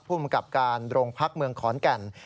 มังกับการโรงพักเมืองขอนแก่น